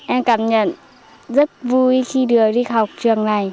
em cảm nhận rất vui khi được đi học trường này